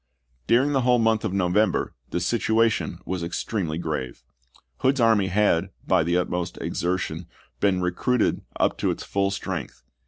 During the whole month of November the situa tion was extremely grave. Hood's army had, by the utmost exertion, been recruited up to its full strength.